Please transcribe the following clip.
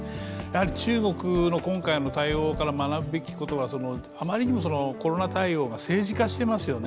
中国の今回の対応から学ぶべきことはあまりにもコロナ対応が政治化してますよね。